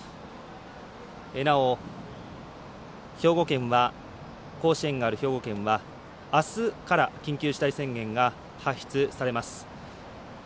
なお、甲子園がある兵庫県はあすから緊急事態宣言が発出されます。